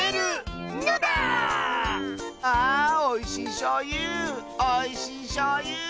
あおいしいしょうゆおいしいしょうゆ。